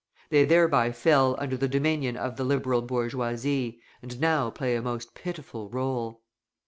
They thereby fell under the dominion of the Liberal bourgeoisie, and now play a most pitiful role.